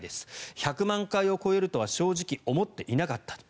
１００万回を超えるとは正直思っていなかったと。